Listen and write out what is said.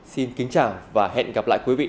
xin kính chào và hẹn gặp lại quý vị